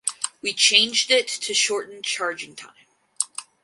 We changed it to shorten the charging time.